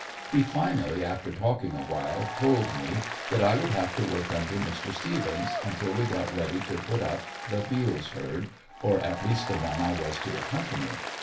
He finally after talking awhile told me that I would have to work under Mr. Stephens, until we got ready to put up the Beals herd or at least the one I was to accompany.